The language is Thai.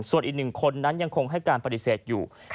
ส่วนอีก๑คนนั้นยังคงให้การปฏิเสธอยู่